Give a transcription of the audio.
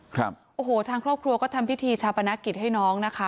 ครับโอ้โหทางครอบครัวก็ทำพิธีชาปนกิจให้น้องนะคะ